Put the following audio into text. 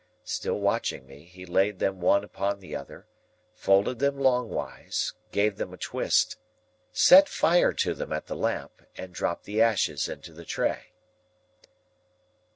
Still watching me, he laid them one upon the other, folded them long wise, gave them a twist, set fire to them at the lamp, and dropped the ashes into the tray.